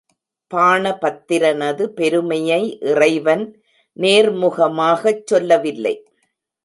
பாணபத்திரனது பெருமையை இறைவன் நேர்முகமாகச் சொல்லவில்லை.